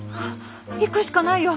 行くしかないよ。